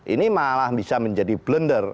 ini malah bisa menjadi blender